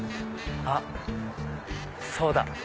あっそうだ！